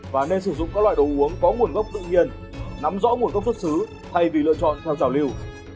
và nên sử dụng các loại đồ uống có nguồn gốc tự nhiên nắm rõ nguồn gốc xuất xứ thay vì lựa chọn theo rào lưu